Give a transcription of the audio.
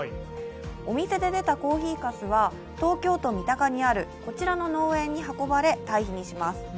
お店で出たコーヒーかすは東京都三鷹にあるこちらの農園に運ばれ、堆肥にします。